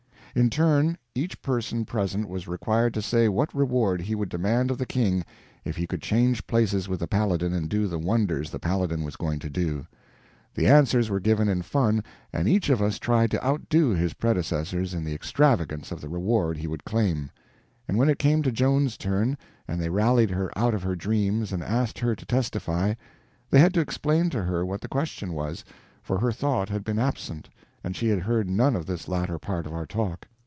In turn, each person present was required to say what reward he would demand of the King if he could change places with the Paladin and do the wonders the Paladin was going to do. The answers were given in fun, and each of us tried to outdo his predecessors in the extravagance of the reward he would claim; but when it came to Joan's turn, and they rallied her out of her dreams and asked her to testify, they had to explain to her what the question was, for her thought had been absent, and she had heard none of this latter part of our talk.